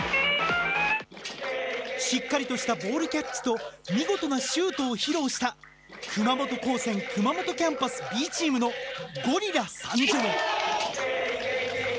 しっかりとしたボールキャッチと見事なシュートを披露した熊本高専熊本キャンパスＢチームの「ゴリラ」。